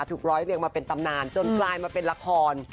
ร้อยเรียงมาเป็นตำนานจนกลายมาเป็นละคร